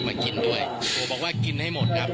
มากินด้วยโอ้โหบอกว่ากินให้หมดครับ